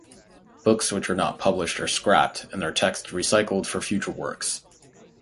Books which are not published are scrapped, and their text recycled for future works.